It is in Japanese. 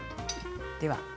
では